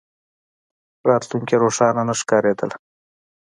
راتلونکې روښانه نه ښکارېدله.